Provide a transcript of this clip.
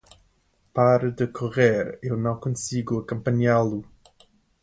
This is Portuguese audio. Pare de correr, eu não consigo acompanhá-lo.